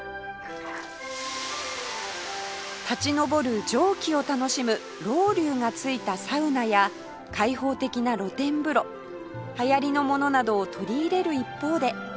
立ち上る蒸気を楽しむロウリュがついたサウナや開放的な露天風呂流行りのものなどを取り入れる一方で